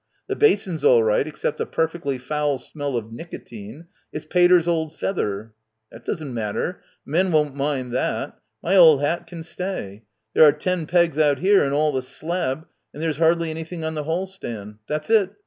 The basin's all right except a perfectly foul smell of nicotine. It's pater's old feather." "That doesn't matter. The men won't mind that. My old hat can stay. There are ten pegs out here and all the slab, and there's hardly any thing on the hall stand. That's it.